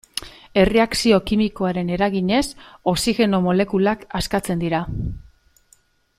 Erreakzio kimikoaren eraginez, oxigeno molekulak askatzen dira.